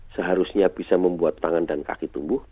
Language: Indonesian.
seharusnya bisa membuat tangan dan kaki tumbuh